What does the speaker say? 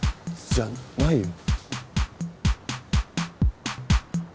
じゃないよ。